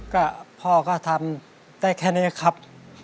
ก็พ่อก็ทำได้แค่นี้ครับ